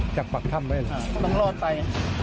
จากปากท่ำไปหรอต้องรอดไป